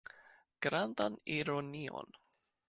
Grandan ironion.